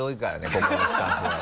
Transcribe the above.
ここのスタッフは。